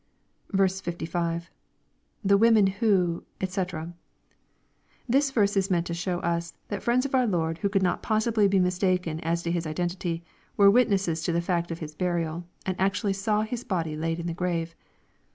55. — [The women whOj dc] This verse is meant to show us, that friends of our Lord who could not possibly be mistaken as to hia identity were witnesses to the fact of His burial, and actually saw His body laid in the grave.